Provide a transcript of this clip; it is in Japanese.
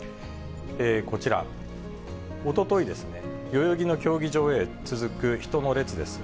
こちら、おととい、代々木の競技場へ続く人の列です。